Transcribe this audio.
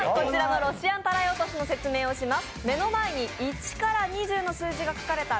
ロシアンたらい落としの説明をします。